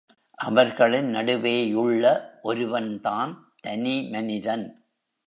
அவர்களின் நடுவேயுள்ள ஒருவன் தான் தனி மனிதன்.